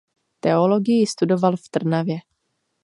Teologii studoval v Trnavě.